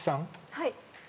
はい。